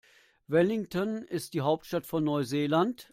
Wellington ist die Hauptstadt von Neuseeland.